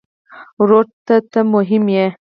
ورور ته ته مهم یې.